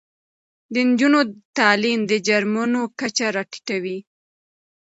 د نجونو تعلیم د جرمونو کچه راټیټوي.